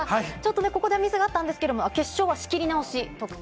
ここでミスがあったんですが、決勝は仕切り直し。